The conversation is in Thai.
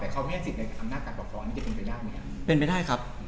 แต่เขาไม่ให้สิทธิ์ในอำนาจตัดปกครองนี่จะเป็นไปได้มั้ยครับ